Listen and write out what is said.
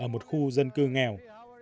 đây là một khu dân cư nghèo